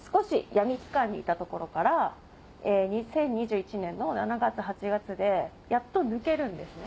闇期間にいたとこから２０２１年の７月８月でやっと抜けるんですね。